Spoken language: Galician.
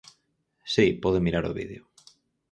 Si, pode mirar o vídeo.